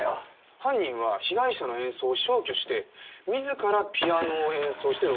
犯人は被害者の演奏を消去して自らピアノを演奏して録音しています。